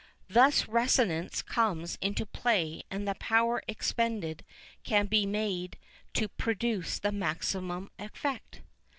Thus resonance comes into play and the power expended can be made to produce the maximum effect.